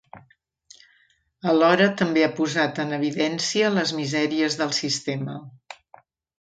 Alhora també ha posat en evidencia les misèries del sistema.